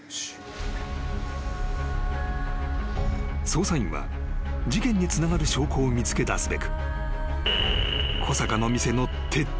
［捜査員は事件につながる証拠を見つけだすべく］